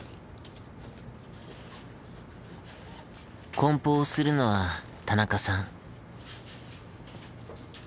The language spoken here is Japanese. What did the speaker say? こん包をするのは田中さん。